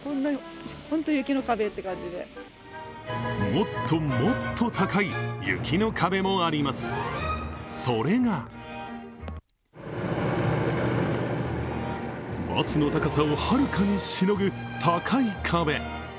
もっともっと高い雪の壁もあります、それがバスの高さをはるかにしのぐ、高い壁。